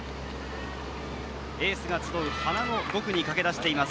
エースが集う花の５区に駆け出しています。